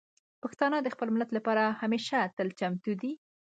پښتانه د خپل ملت لپاره همیشه تل چمتو دي.